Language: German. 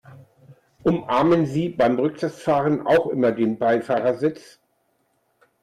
Umarmen Sie beim Rückwärtsfahren auch immer den Beifahrersitz?